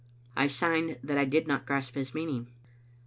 I signed that I did not grasp his meaning.